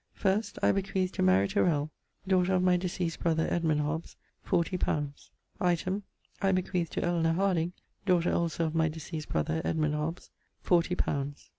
First, I bequeath to Mary Tirell, daughter of my deceased brother, Edmund Hobbes, forty pounds. Item, I bequeath to Elenor Harding, daughter also of my deceased brother, Edmund Hobbes, forty pounds.